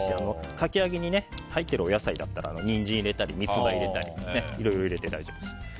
かき揚げに入っているお野菜だったらニンジンを入れたり三つ葉入れたりいろいろ入れて大丈夫です。